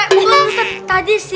eh bukan ustadz tadi si